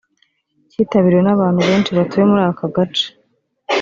cyitabiriwe n’abantu benshi batuye muri aka gace